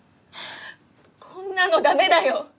こんなのダメだよ！